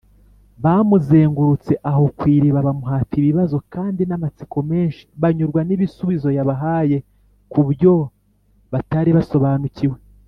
Bamuzengurutse aho kw’iriba, bamuhata ibibazo, kandi n’amatsiko menshi banyurwa n’ibisubizo yabahaye ku byo batari basobanukiwe